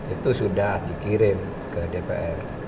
itu sudah dikirim ke dpr